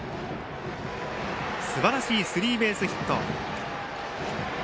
すばらしいスリーベースヒット。